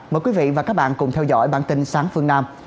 mời quý vị và các bạn cùng theo dõi bản tin sáng phương nam